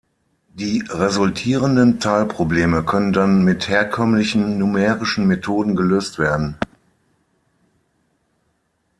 Die resultierenden Teilprobleme können dann mit herkömmlichen numerischen Methoden gelöst werden.